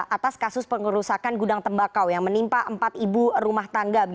atas kasus pengerusakan gudang tembakau yang menimpa empat ibu rumah tangga